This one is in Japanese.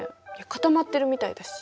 固まってるみたいだし。